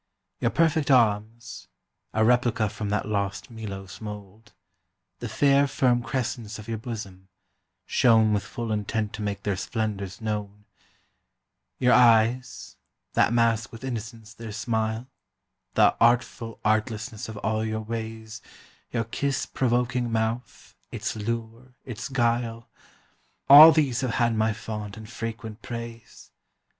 Your perfect arms (A replica from that lost Melos mould), The fair firm crescents of your bosom (shown With full intent to make their splendours known), Your eyes (that mask with innocence their smile), The (artful) artlessness of all your ways, Your kiss provoking mouth, its lure, its guile— All these have had my fond and frequent praise.